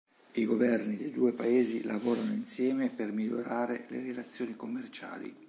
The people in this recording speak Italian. I governi dei due paesi lavorano insieme per migliorare le relazioni commerciali.